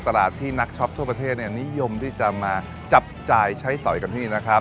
ตลาดที่นักช็อปทั่วประเทศนิยมที่จะมาจับจ่ายใช้สอยกันที่นี่นะครับ